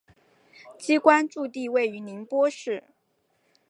机关驻地位于宁波市。